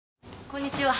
こんにちは。